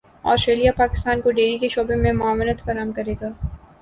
Australia Pakistan کو dairy کے شعبے میں معاونت فراہم کرے گا